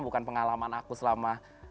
bukan pengalaman aku selama